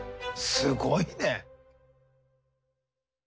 すごいね。